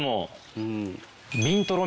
うん。